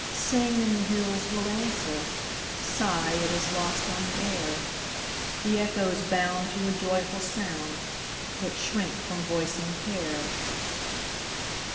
Sing, and the hills will answer; Sigh, it is lost on the air; The echoes bound to a joyful sound, But shrink from voicing care.